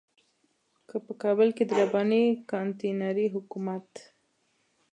که په کابل کې د رباني کانتينري حکومت.